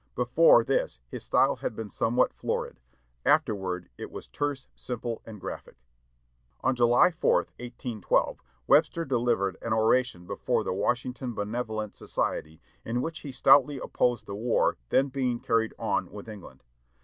Before this his style had been somewhat florid; afterward it was terse, simple, and graphic. On July 4, 1812, Webster delivered an oration before the "Washington Benevolent Society," in which he stoutly opposed the war then being carried on with England.